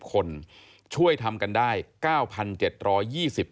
ขอบคุณครับและขอบคุณครับ